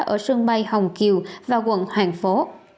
ở sân bay hồng kiều và quận hoàng phố